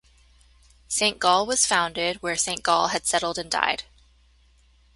Saint Gall was founded where Saint Gall had settled and died.